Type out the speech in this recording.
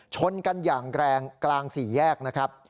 ชนกันอย่างแรงกลางสี่แยกนะครับ